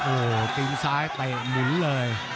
โอ้โหตีนซ้ายเตะหมุนเลย